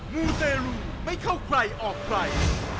มูเตรลูไม่เข้าใครออกใคร